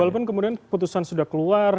walaupun kemudian putusan sudah keluar